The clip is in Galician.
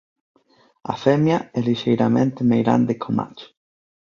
A femia é lixeiramente meirande có macho.